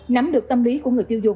nắm được tâm lý của người tiêu dùng